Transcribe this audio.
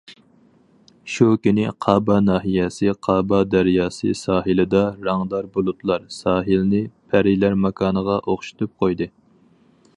شۇ كۈنى قابا ناھىيەسى قابا دەرياسى ساھىلىدا رەڭدار بۇلۇتلار ساھىلنى پەرىلەر ماكانىغا ئوخشىتىپ قويدى.